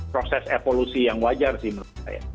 proses evolusi yang wajar sih menurut saya